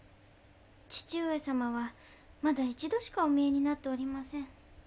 義父上様はまだ１度しかお見えになっておりません。